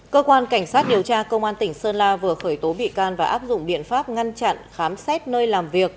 cơ quan cảnh sát điều tra công an tỉnh sơn la vừa khởi tố bị can và áp dụng biện pháp ngăn chặn khám xét nơi làm việc